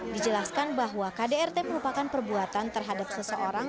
dijelaskan bahwa kdrt merupakan perbuatan terhadap seseorang